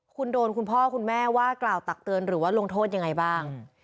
คุณโดนคุณพ่อคุณแม่ว่ากล่าวตักเตือนหรือว่าลงโทษยังไงบ้าง